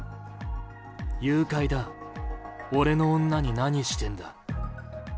誘拐だ、俺の女に何してんだ。